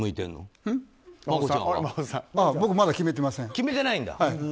決めてないんだ。